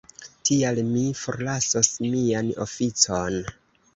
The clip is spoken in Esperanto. Tial mi forlasos mian oficon.